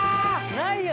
ないよ